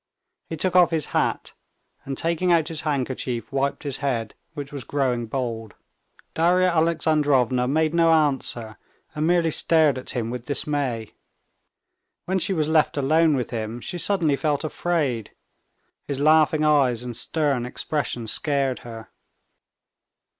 He took off his hat, and taking out his handkerchief, wiped his head, which was growing bald. Darya Alexandrovna made no answer, and merely stared at him with dismay. When she was left alone with him, she suddenly felt afraid; his laughing eyes and stern expression scared her.